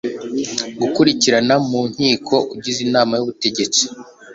gukurikirana mu nkiko ugize inama y ubutegetsi